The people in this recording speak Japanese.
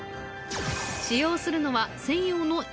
使用するのは専用の。